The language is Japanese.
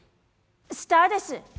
スターです。